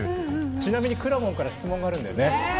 ちなみにくらもんから質問があるんだよね。